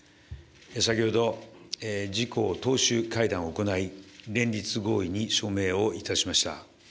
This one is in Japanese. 先ほど、自公党首会談を行い、連立合意に署名をいたしました。